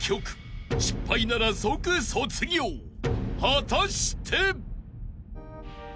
［果たして］